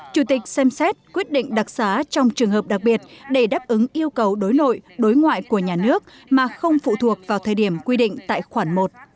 chủ tịch xem xét quyết định đặc xá trong trường hợp đặc biệt để đáp ứng yêu cầu đối nội đối ngoại của nhà nước mà không phụ thuộc vào thời điểm quy định tại khoản một